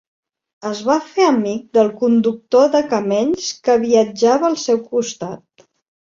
Es va fer amic del conductor de camells que viatjava al seu costat.